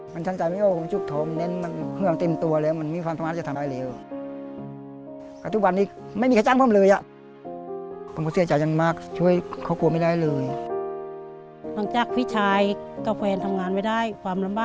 มันชั้นใจไม่ระว่องูลฬุกภาพเรื่องแป้งตำรวกหมาย